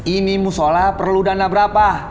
ini musola perlu dana berapa